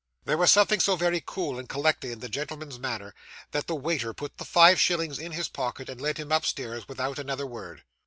There was something so very cool and collected in the gentleman's manner, that the waiter put the five shillings in his pocket, and led him upstairs without another word.